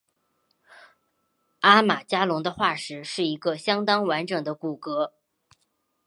阿马加龙的化石是一个相当完整的骨骼。